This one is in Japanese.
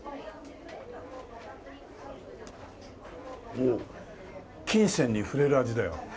おお琴線に触れる味だよ。